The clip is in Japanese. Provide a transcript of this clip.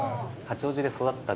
八王子の。